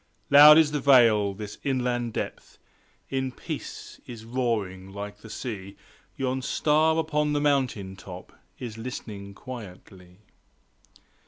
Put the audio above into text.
Loud is the Vale;–this inland Depth In peace is roaring like the Sea Yon star upon the mountain top Is listening quietly.